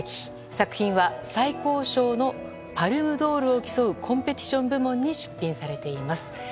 作品は最高賞のパルム・ドールを競うコンペティション部門に出品されています。